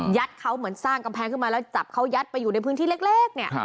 เขาเหมือนสร้างกำแพงขึ้นมาแล้วจับเขายัดไปอยู่ในพื้นที่เล็กเนี่ย